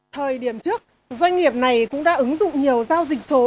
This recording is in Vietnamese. thời điểm trước doanh nghiệp này cũng đã ứng dụng nhiều giao dịch số